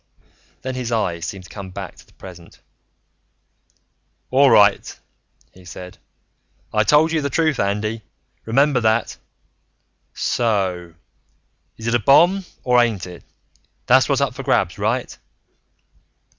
Then his eyes seemed to come back to the present. "All right," he said. "I told you the truth, Andy. Remember that. So is it a bomb or ain't it? That's what's up for grabs, right?"